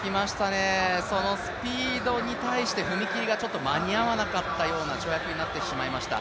そのスピードに対して踏み切りがちょっと間に合わなかったような跳躍になってしまいました。